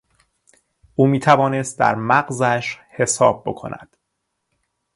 او میتوانست در مغزش حساب بکند.